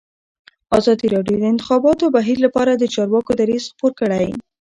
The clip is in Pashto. ازادي راډیو د د انتخاباتو بهیر لپاره د چارواکو دریځ خپور کړی.